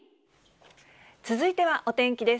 続いてはお天気です。